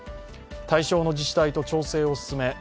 対象の自治体と調整を進め